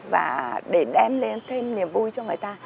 và để đem lên thêm niềm vui cho người ta